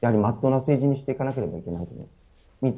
やはり、全うな政治にしていかなければいけないと思います。